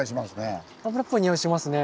油っぽいにおいしますね。